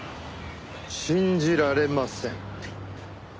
信じられません。